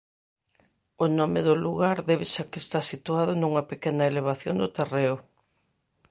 O nome do lugar débese a que está situado nunha pequena elevación do terreo.